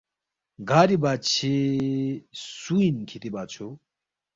گاری بادشے سُو اِن کِھتی بادشو؟